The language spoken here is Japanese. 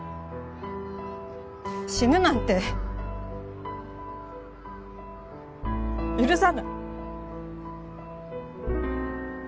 死ぬなんて許さない。